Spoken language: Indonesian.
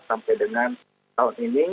sampai dengan tahun ini